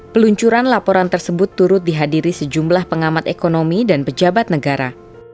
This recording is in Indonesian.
peluncuran laporan tersebut turut dihadiri sejumlah pengamat ekonomi dan pejabat negara